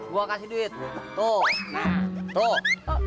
gua kasih duit tuh